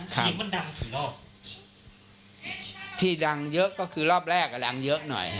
เสียงมันดังกี่รอบที่ดังเยอะก็คือรอบแรกอ่ะดังเยอะหน่อย